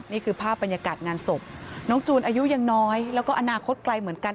นี่คือภาพบรรยากาศงานศพน้องจูนอายุยังน้อยแล้วก็อนาคตไกลเหมือนกัน